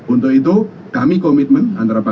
untuk itu kami komitmen